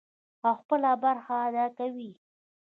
او خپله برخه ادا کوي.